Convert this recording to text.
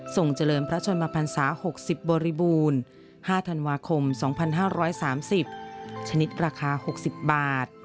เจริญพระชนมพันศา๖๐บริบูรณ์๕ธันวาคม๒๕๓๐ชนิดราคา๖๐บาท